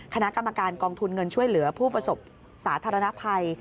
คณะกรรมการกองทุนเงินช่วยเหลือผู้ประสบสาธารณภัย